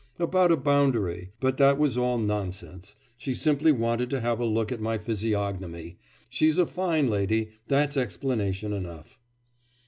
'About a boundary; but that was all nonsense; she simply wanted to have a look at my physiognomy. She's a fine lady, that's explanation enough!